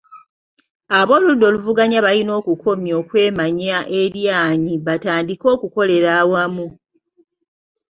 Ab’oludda oluvuganya balina okukomya okwemanya eryanyi batandike okukolera awamu.